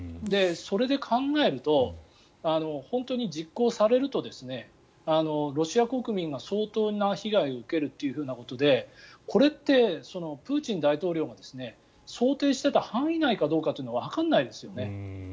それで考えると本当に実行されるとロシア国民が相当な被害を受けるということでこれってプーチン大統領が想定していた範囲内かどうかはわからないですよね。